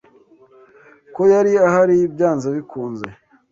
Ko yari ahari byanze bikunze.